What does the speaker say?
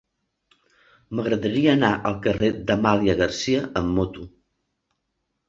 M'agradaria anar al carrer d'Amàlia Garcia amb moto.